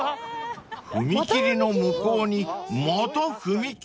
［踏切の向こうにまた踏切？］